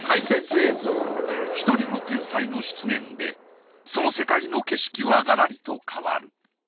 １人の天才の出現でその世界の景色はガラリと変わる。